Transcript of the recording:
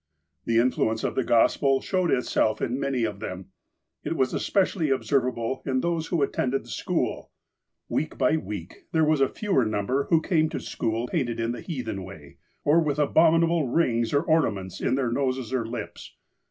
The influence of the Gospel showed itself in many of them. It was especially observable in those who at tended the school. Week by week, there was a fewer number who came to school painted in the heathen way, or with the abominable rings or ornaments in their noses or lips.